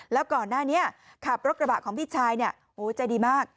แล้วก่อนหน้านี้ขับรถกระบะของพี่ชายเนี่ยโอ้ใจดีมาก